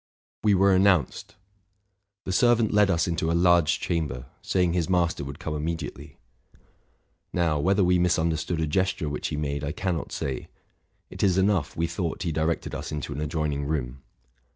We were announced. The servant led us into a large chamber, saying his master would come immediately. Now, whether we misunderstood a gesture which he made, I can not say: it is enough, we thought he directed us into an adjoining room.